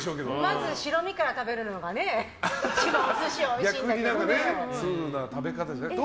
まず白身から食べるのがお寿司はおいしいんだけどね。